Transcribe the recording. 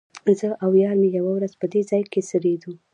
زه او یار مې یوه ورځ په دې ځای کې څریدو.